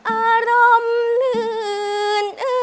อารมณ์อื่น